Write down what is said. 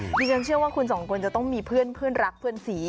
ดิฉันเชื่อว่าคุณสองคนจะต้องมีเพื่อนรักเพื่อนสี